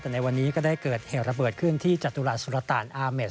แต่ในวันนี้ก็ได้เกิดเหตุระเบิดขึ้นที่จตุลาสุรตานอาเมด